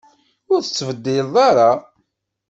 Ur tettbeddileḍ ara?